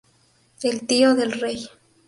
El tío del rey.